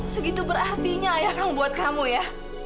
segitu berartinya ayah kang buat kamu ya